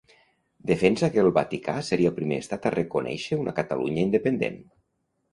Defensava que el Vaticà seria el primer estat a reconèixer una Catalunya independent.